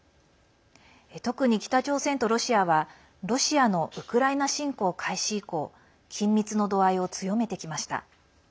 特に北朝鮮とロシアはロシアのウクライナ侵攻開始以降緊密の度合いを強めてきました。